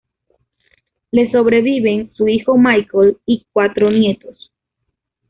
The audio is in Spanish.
Le sobreviven su hijo Michael y cuatro nietos.